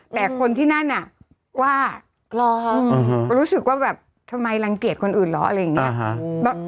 แต่คนที่นั่นน่ะว่ากลัวรู้สึกว่าแบบทำไมรังเกียจคนอื่นเหรออะไรอย่างนี้